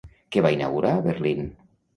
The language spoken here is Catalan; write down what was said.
Què va inaugurar a Berlín?